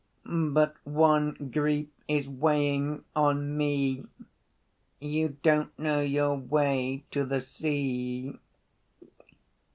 But one grief is weighing on me. You don't know your way to the sea!